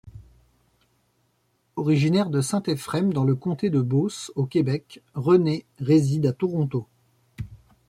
Originaire de Saint-Ephrem dans le comté de Beauce, au Québec, René réside à Toronto.